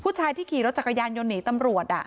ผู้ชายที่ขี่รถจักรยานยนต์หนีตำรวจ